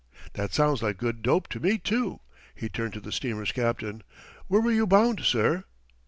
"That sounds like good dope to me too." He turned to the steamer's captain. "Where were you bound, sir?"